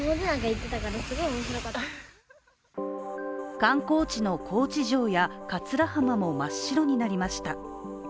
観光地の高知城や桂浜も真っ白になりました。